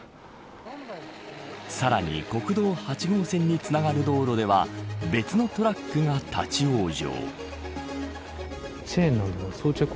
さらに国道８号線につながる道路では別のトラックが立ち往生。